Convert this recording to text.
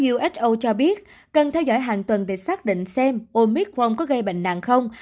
who cho biết cần theo dõi hàng tuần để xác định xem omicron có gây bệnh nặng không